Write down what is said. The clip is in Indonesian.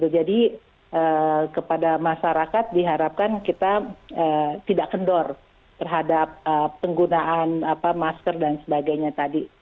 kepada masyarakat diharapkan kita tidak kendor terhadap penggunaan masker dan sebagainya tadi